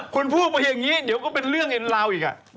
คุณพูดมาอย่างนี้เดี๋ยวก็เป็นเรื่องเป็นราวอีก